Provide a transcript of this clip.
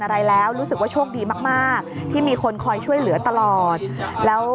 อะไรแล้วรู้สึกว่าโชคดีมากที่มีคนคอยช่วยเหลือตลอดแล้ว